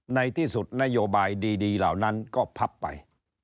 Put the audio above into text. ในที่สุดนโยบายดีเหล่านั้นก็พับไป